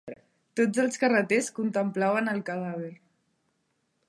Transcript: Tots els carreters contemplaven el cadàver.